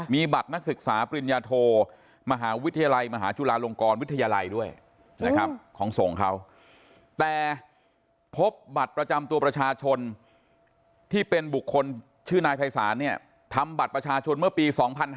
มีบัตรนักศึกษาปริญญาโทมหาวิทยาลัยมหาจุฬาลงกรวิทยาลัยด้วยนะครับของส่งเขาแต่พบบัตรประจำตัวประชาชนที่เป็นบุคคลชื่อนายภัยศาลเนี่ยทำบัตรประชาชนเมื่อปี๒๕๕๙